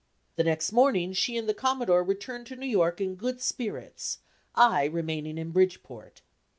The next morning she and the Commodore returned to New York in good spirits, I remaining in Bridgeport.